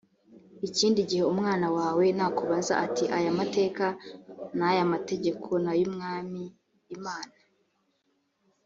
ikindi gihe umwana wawe nakubaza ati aya mateka, n’aya mategeko nay’umwami imana